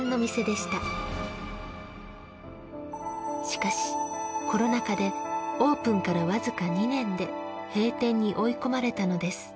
しかしコロナ禍でオープンから僅か２年で閉店に追い込まれたのです。